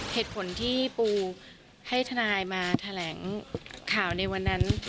เหตุผลที่ปูให้ทนายมาแถลงข่าวในวันนั้น